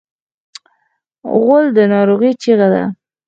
غول د ناروغۍ چیغه ده.